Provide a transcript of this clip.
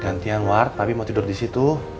gantian ward tapi mau tidur disitu